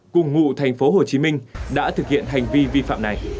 cùng ngụ tp hcm đã thực hiện hành vi vi phạm này